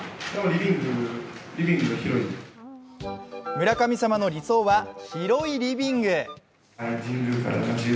村神様の理想は広いリビング。